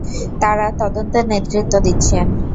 তারা তদন্তের নেতৃত্ব দিচ্ছেন।